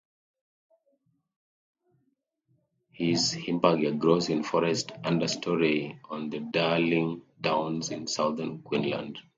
This hibbertia grows in forest understorey on the Darling Downs in southern Queensland.